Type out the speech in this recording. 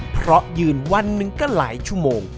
เพราะยืนวันหนึ่งก็หลายชั่วโมง